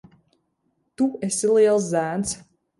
Tu esi liels zēns.